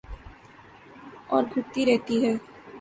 اور گھٹتی رہتی ہے